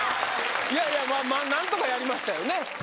いやいやまあまあなんとかやりましたよね